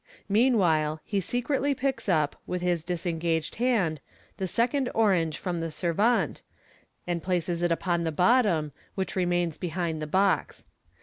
Meanwhile, he secretly picks up, with his disengaged hand, the second orange from the servante, and places it upon the bottom; which remains behind the box.